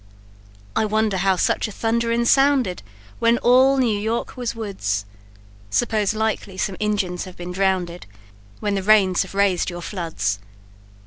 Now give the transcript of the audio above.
"I wonder how such a thunderin' sounded When all New York was woods; 'Spose likely some Injins have been drownded, When the rains have raised your floods.